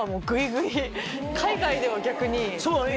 海外では逆に。